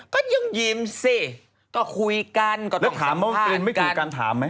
ก็ยังยิ้มสิก็คุยกันก็ต้องสัมภาษณ์